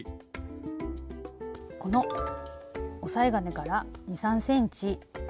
この押さえ金から２３ｃｍ手前